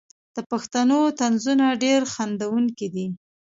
د پښتنو طنزونه ډیر خندونکي دي.